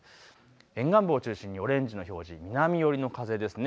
沿岸部を中心にオレンジの表示、南寄りの風ですね。